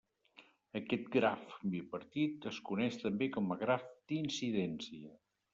Aquest graf bipartit es coneix també com a graf d'incidència.